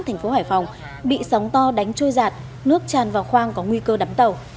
thành phố hải phòng bị sóng to đánh trôi giạt nước tràn vào khoang có nguy cơ đắm tàu